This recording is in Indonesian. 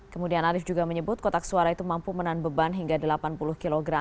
kemudian arief juga menyebut kotak suara itu mampu menahan beban hingga delapan puluh kg